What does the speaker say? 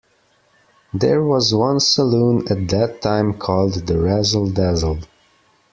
There was one saloon at that time called "The Razzle Dazzle".